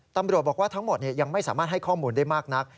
ตำรวจบอกว่าทั้งหมดยังไม่สามารถให้ข้อมูลได้มากนัก